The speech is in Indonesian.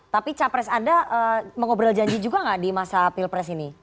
tapi capres anda mengobrol janji juga nggak di masa pilpres ini